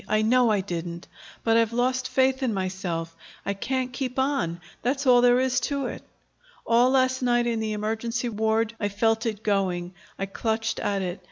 "I know I didn't. But I've lost faith in myself. I can't keep on; that's all there is to it. All last night, in the emergency ward, I felt it going. I clutched at it.